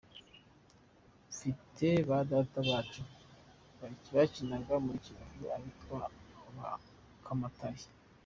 Mfite badata bacu bakinaga muri Kiyovu abitwa ba Kamatari.